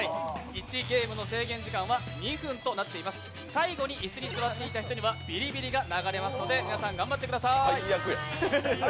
最後に椅子に座っていた人にはビリビリが流れますので皆さん頑張ってください。